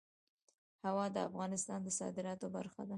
هوا د افغانستان د صادراتو برخه ده.